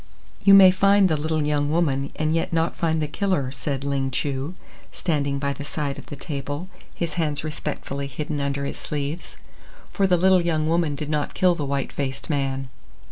"You may find the little young woman and yet not find the killer," said Ling Chu, standing by the side of the table, his hands respectfully hidden under his sleeves. "For the little young woman did not kill the white faced man."